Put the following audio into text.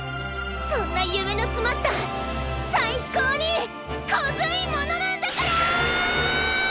そんなゆめのつまったさいこうにコズいものなんだから！